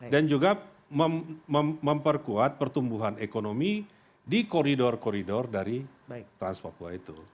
dan juga memperkuat pertumbuhan ekonomi di koridor koridor dari trans papua itu